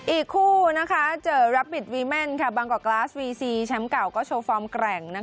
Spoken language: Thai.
อีกคู่เจอรับบิตวีแม่นบางกอกกลาสวีซีแชมป์เก่าก็โชว์ฟอร์มแกร่ง